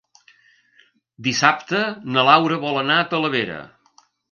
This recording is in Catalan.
Dissabte na Laura vol anar a Talavera.